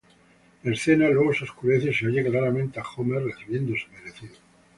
La escena, luego, se oscurece y se oye claramente a Homer recibiendo su merecido.